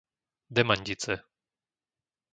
Demandice